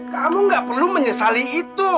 kamu gak perlu menyesali itu